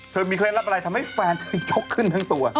เคมีเคล็ดลับอะไรทำให้แฟนเธอยกขึ้นทั้งตัว